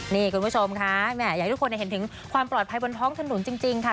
นี่คุณผู้ชมค่ะแหมอยากให้ทุกคนเห็นถึงความปลอดภัยบนท้องถนนจริงค่ะ